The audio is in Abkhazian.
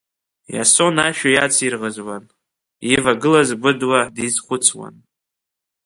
Иасон ашәа иацирӷызуан, ивагылаз Гәыдуа дизхәыцуан.